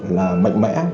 là mạnh mẽ